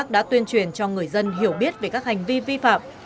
đã tuyên truyền cho người dân hiểu biết về các hành vi vi phạm